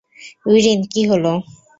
ইরিন, কী হলো?